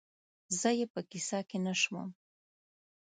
زه یې په قصه کې نه شوم